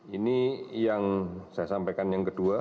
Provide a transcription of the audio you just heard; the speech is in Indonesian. ini yang saya sampaikan yang kedua